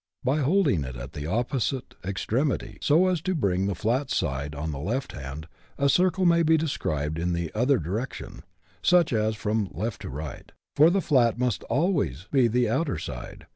By holding it at the opposite extremity, so as to bring the flat side on the left hand, a circle may be described in the other direction, i. e. from left to right, for the flat must always be the outer side.